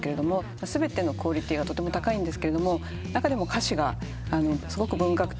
全てのクオリティーがとても高いんですが中でも歌詞がすごく文学的。